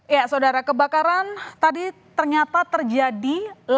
ya saudara kebakaran tadi ternyata terjadi delapan belas lima